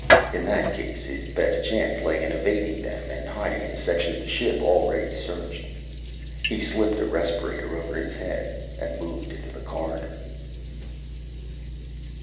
In that case, his best chance lay in evading them and hiding in a section of the ship already searched. He slipped a respirator over his head and moved into the corridor.